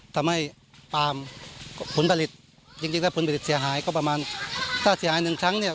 ทำให้ปาล์มผลผลิตจริงจริงแล้วผลผลิตเสียหายก็ประมาณถ้าเสียหายหนึ่งครั้งเนี่ย